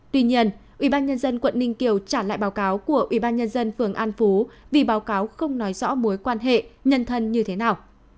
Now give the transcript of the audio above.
tuy nhiên ủy ban nhân dân quận ninh kiều trả lại báo cáo của ủy ban nhân dân phường an phú vì báo cáo không nói rõ mối quan hệ nhân thân như thế nào